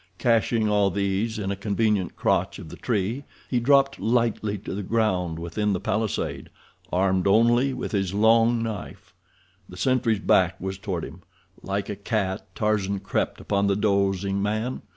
Caching all these in a convenient crotch of the tree, he dropped lightly to the ground within the palisade, armed only with his long knife. The sentry's back was toward him. Like a cat Tarzan crept upon the dozing man.